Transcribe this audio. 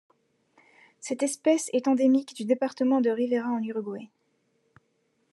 Cette espèce est endémique du département de Rivera en Uruguay.